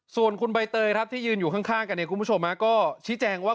ส่วนคุณใบเตยครับที่ยืนอยู่ข้างกันเนี่ยคุณผู้ชมก็ชี้แจงว่า